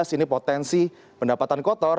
ini potensi pendapatan kotor